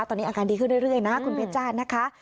ตอนนี้อาการดีขึ้นเรื่อยนะคุณเพชรจ้านะคะ